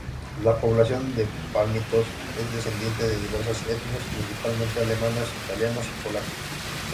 La población de Palmitos es descendiente de diversas etnias, principalmente alemanes, italianos y polacos.